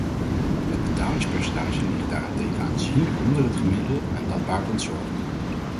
Het betalingspercentage ligt daarentegen aanzienlijk onder het gemiddelde en dat baart ons zorgen.